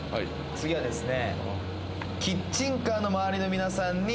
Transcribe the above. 次はですね。